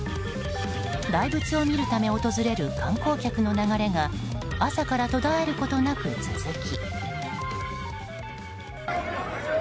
大仏を見るため訪れる観光客の流れが朝から途絶えることなく続き。